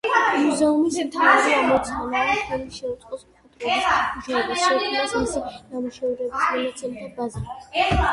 მუზეუმის მთავარი ამოცანაა ხელი შეუწყოს მხატვრების მუშაობას, შექმნას მისი ნამუშევრების მონაცემთა ბაზა.